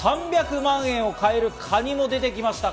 ３００万円を超えるカニも出てきました。